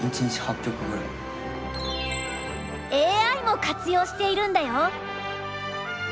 ＡＩも活用しているんだよ。